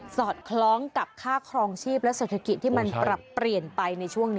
สอดคล้องกับค่าครองชีพและเศรษฐกิจที่มันปรับเปลี่ยนไปในช่วงนี้